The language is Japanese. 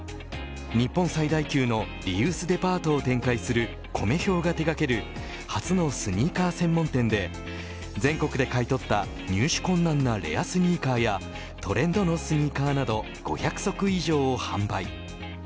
日本最大級のリユースデパートを展開するコメ兵が手掛ける初のスニーカー専門店で全国で買い取った入手困難なレアスニーカーやトレンドのスニーカーなど５００足以上を販売。